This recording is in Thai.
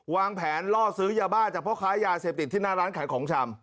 วางแผนล่อซื้อยาบ้าจากพ่อค้ายาเสพติดที่หน้าร้านขายของชำ